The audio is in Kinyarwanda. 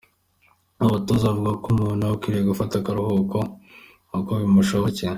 Aba batoza bavuga ko umuntu aba akwiriye gufata akaruhuko uko bimushoboyeke.